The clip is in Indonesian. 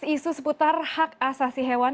isu seputar hak asasi hewan